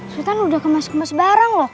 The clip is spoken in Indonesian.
sultan udah kemas kemas barang loh